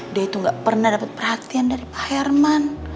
dia itu gak pernah dapat perhatian dari pak herman